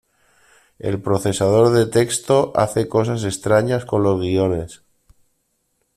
El procesador de texto hace cosas extrañas con los guiones.